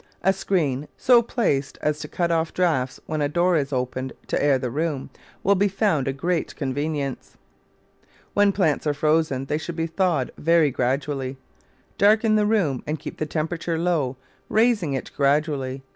A screen, so placed as to cut off draughts when a door is opened to air the room, will be found a great convenience. When plants are frozen they should be thawed very gradually. Darken the room and keep the tempera ture low, raising it gradually.